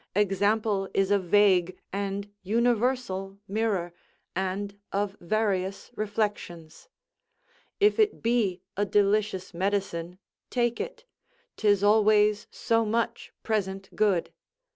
Example is a vague and universal mirror, and of various reflections. If it be a delicious medicine, take it: 'tis always so much present good.